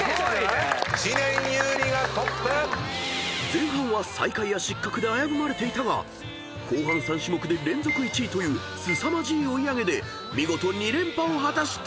［前半は最下位や失格で危ぶまれていたが後半３種目で連続１位というすさまじい追い上げで見事２連覇を果たした！］